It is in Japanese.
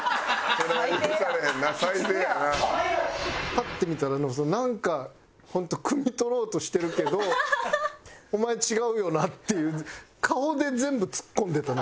パッて見たらなんか本当くみ取ろうとしてるけどお前違うよなっていう顔で全部ツッコんでたの中村が。